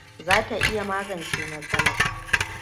Za ta iya magance matsalar.